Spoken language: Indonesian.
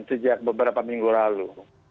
sejak beberapa minggu lalu